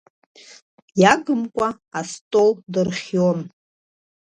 Иагымкәа астол дырхион.